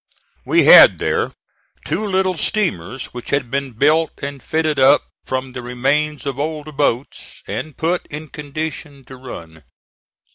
We had there two little steamers which had been built and fitted up from the remains of old boats and put in condition to run.